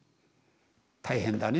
「大変だね」